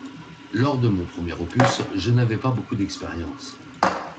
Lors de mon premier opus, je n'avais pas beaucoup d'expérience.